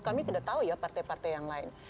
kami tidak tahu ya partai partai yang lain